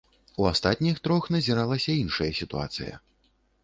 У астатніх трох назіралася іншая сітуацыя.